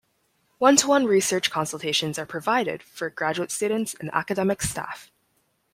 One-to-one research consultations are provided for graduate students and academic staff.